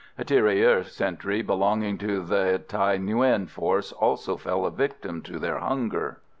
A tirailleur sentry belonging to the Thaï Nguyen force also fell a victim to their hunger.